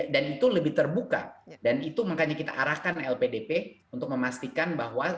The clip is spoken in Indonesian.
dan itu lebih terbuka dan itu makanya kita arahkan lpdp untuk memastikan bahwa